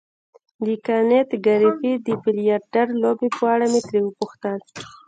د کانت ګریفي د بیلیارډ لوبې په اړه مې ترې وپوښتل.